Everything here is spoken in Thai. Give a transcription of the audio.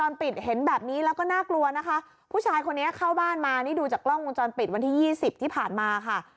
ปิดเห็นแบบนี้แล้วก็น่ากลัวนะคะผู้ชายคนนี้เข้าบ้านมานี่ดูจากกล้องวงจรปิดวันที่ยี่สิบที่ผ่านมาค่ะ